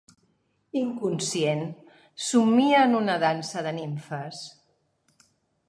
Inconscient, somnia en una dansa de nimfes.